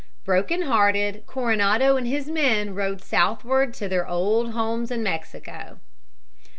Broken hearted, Coronado and his men rode southward to their old homes in Mexico.